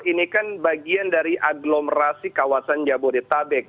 ini kan bagian dari aglomerasi kawasan jabodetabek